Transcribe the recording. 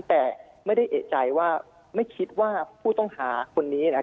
แต่ไม่ได้เอกใจว่าไม่คิดว่าผู้ต้องหาคนนี้